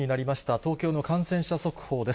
東京の感染者速報です。